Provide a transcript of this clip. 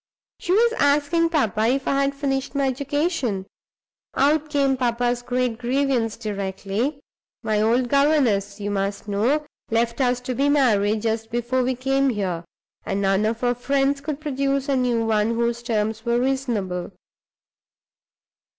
She was asking papa if I had finished my education. Out came papa's great grievance directly. My old governess, you must know, left us to be married just before we came here, and none of our friends could produce a new one whose terms were reasonable.